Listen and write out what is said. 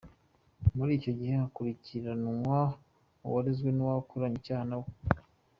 Muri icyo gihe, hakurikiranwa uwarezwe n’uwakoranye icyaha na we.